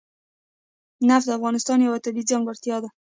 نفت د افغانستان یوه طبیعي ځانګړتیا ده.